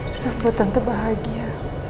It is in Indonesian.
sudah buat tante bahagia